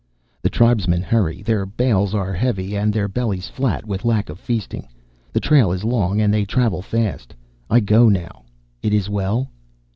"The tribesmen hurry. Their bales are heavy, and their bellies flat with lack of feasting. The trail is long and they travel fast. I go now. It is well?"